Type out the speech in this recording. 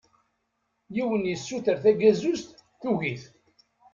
Yiwen yessuter tagazuzt, tugi-t.